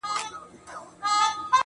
پاچا صاحبه خالي سوئ، له جلاله یې.